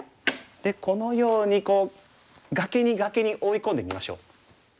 でこのように崖に崖に追い込んでみましょう。